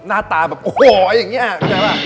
หน้าตาแบบโอ้โหวอย่างนี้อะเห็นปะ